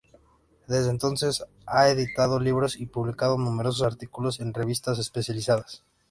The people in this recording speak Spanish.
Desde entonces, ha editado libros y publicado numerosos artículos en revistas especializadas.